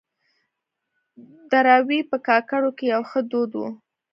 دراوۍ په کاکړو کې يو ښه دود وه.